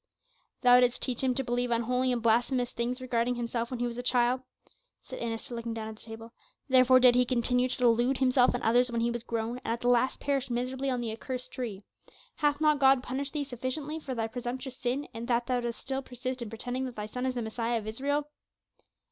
"Thou didst teach him to believe unholy and blasphemous things regarding himself when he was a child," said Annas, still looking down at the table; "therefore did he continue to delude himself and others when he was grown, and at the last perished miserably on the accursed tree. Hath not God punished thee sufficiently for thy presumptuous sin that thou dost still persist in pretending that thy son is the Messiah of Israel?"